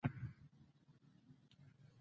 افغانستان د لمریز ځواک په برخه کې نړیوال شهرت لري.